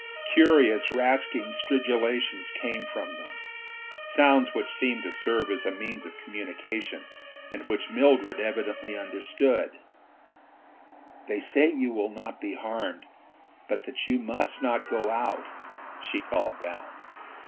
Curious rasping stridulations came from them, sounds which seemed to serve as means of communication, and which Mildred evidently understood. "They say that you will not be harmed, but that you must not go out," she called down.